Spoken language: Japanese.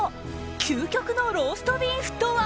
究極のローストビーフとは。